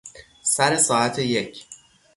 سر ساعت یک